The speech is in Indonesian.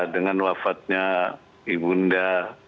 dengan wafatnya ibu neda